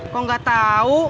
kok gak tau